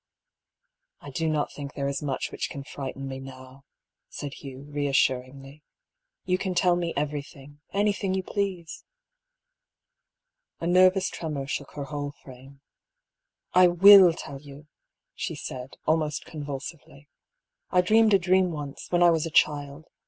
*' I do not think there is much which can frighten me now," said Hugh, reassuringly. " You can tell me everything, anything you please." A nervous tremor shook her whole frame. " I will tell you," she said, almost convulsively. " I dreamed a dream once, when I was a child.